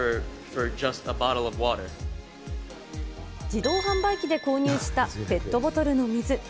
自動販売機で購入したペットボトルの水。